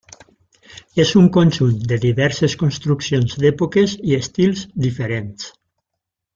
És un conjunt de diverses construccions d'èpoques i estils diferents.